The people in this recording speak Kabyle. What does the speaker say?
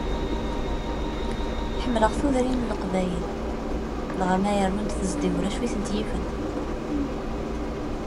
Lqerniṭ yella lebḥeṛ.